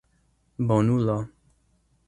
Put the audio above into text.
bonulo